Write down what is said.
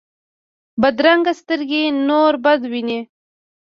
بدرنګه سترګې نور بد ویني